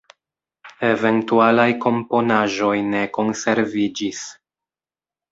Eventualaj komponaĵoj ne konserviĝis.